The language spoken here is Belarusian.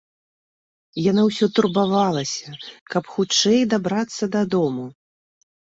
Яна ўсё турбавалася, каб хутчэй дабрацца дадому.